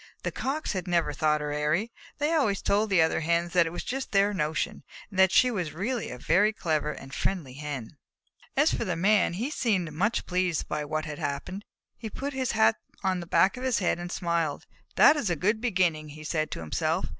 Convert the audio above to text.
The Cocks had never thought her airy. They always told the other Hens that it was just their notion, and that she was really a very clever and friendly Hen. As for the Man, he seemed much pleased by what had happened. He put his hat on the back of his head and smiled. "That is a good beginning," he said to himself.